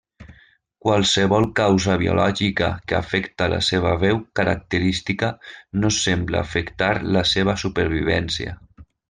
Qualsevol causa biològica que afecta la seva veu característica no sembla afectar la seva supervivència.